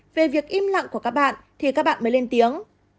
về việc im lặng của các bạn thì các bạn mới lên tiếng